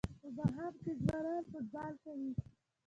په ماښام کې ځوانان فوټبال کوي.